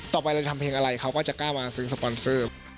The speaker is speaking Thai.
ต่อไปเราจะทำเพลงอะไรเขาก็จะกล้ามาซื้อสปอนเซอร์